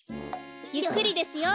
ゆっくりですよ。